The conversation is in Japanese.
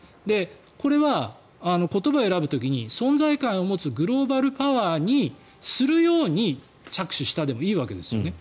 これは言葉を選ぶ時に存在感を持つグローバル・パワーにするように着手したでもいいわけですよね。